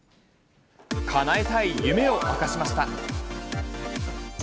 かなえたい夢を明かしました。